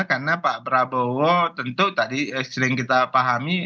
karena pak prabowo tentu tadi sering kita pahami